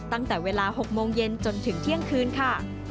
ตั้งแต่เวลา๖โมงเย็นจนถึงเที่ยงคืนค่ะ